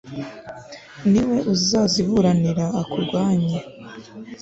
ni we uzaziburanira akurwanye